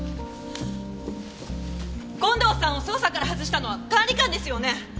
権藤さんを捜査から外したのは管理官ですよね。